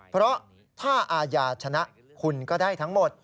เพราะถ้าอาญาชนะคุณก็ได้ทั้งหมด